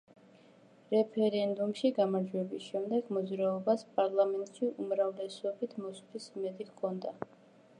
რეფერენდუმში გამარჯვების შემდეგ მოძრაობას პარლამენტში უმრავლესობით მოსვლის იმედი ჰქონდა.